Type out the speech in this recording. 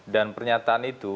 dan pernyataan itu